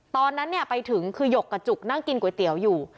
ตอนนั้นไปถึงคือหยกกระจุกนั่งกินก๋วยเตี๋ยวอยู่